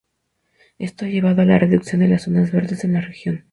Esto ha llevado a la reducción de las zonas verdes en la región.